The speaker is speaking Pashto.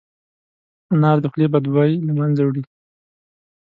انار د خولې بد بوی له منځه وړي.